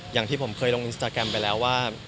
อย่างที่ผมเคยลงอินสตาแกรมไปแล้วว่า